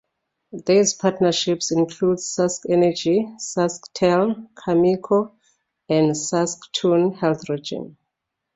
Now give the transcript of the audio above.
These partnerships include SaskEnergy, SaskTel, Cameco, and the Saskatoon Health Region.